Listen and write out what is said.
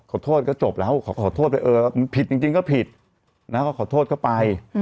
ขอโทษก็จบแล้วขอโทษผิดจริงก็ผิดขอโทษก็ไป